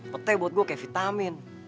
petai buat gue kayak vitamin